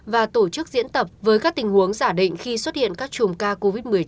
và tổ chức diễn tập với các tình huống giả định khi xuất hiện các chùm ca covid một mươi chín